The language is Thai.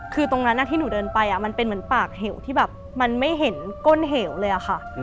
คือตรงนั้นที่หนูเดินไปมันเป็นเหมือนปากเหวที่แบบมันไม่เห็นก้นเหวเลยค่ะ